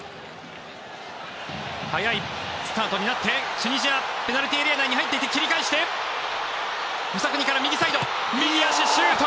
早いスタートになってチュニジアペナルティーエリアに入っていく切り返してムサクニから右サイド右足、シュート！